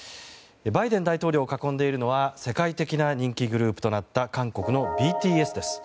バイデン大統領を囲んでいるのは世界的な人気グループとなった韓国のＢＴＳです。